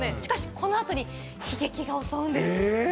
この後に悲劇が襲うんです。